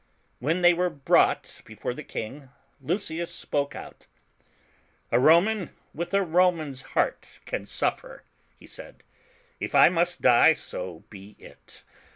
When they were brought before the King, Lucius spoke out — "A Roman with a Roman's heart can suflfer/' he said. If I must die, so be it.